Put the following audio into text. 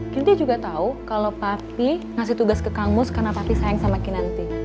kinanti juga tahu kalau papi ngasih tugas ke kang mus karena papi sayang sama kinanti